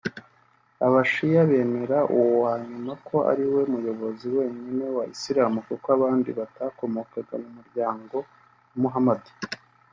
Aba shia bemera uwa nyuma ko ariwe muyobozi wenyine wa Islamu kuko abandi batakomokaga mu muryango wa Muhamadi